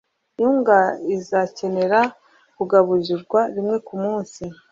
Imbwa izakenera kugaburirwa rimwe kumunsi.